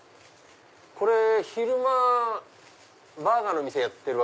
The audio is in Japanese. これ昼間バーガーの店やってる。